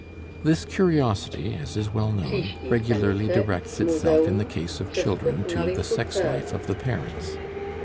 This curiosity, as is well known, regularly directs itself in the case of children to the sex life of the parents.